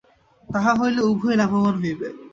তাহা হইলে উভয়েই লাভবান হইবে।